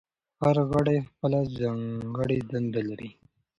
هر غړی خپله ځانګړې دنده لري.